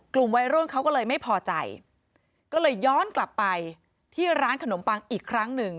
กลุ่มวัยรุ่นเขาก็เลยไม่พอใจก็เลยย้อนกลับไปที่ร้านขนมปังอีกครั้งหนึ่ง